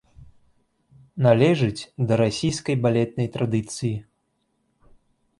Належыць да расійскай балетнай традыцыі.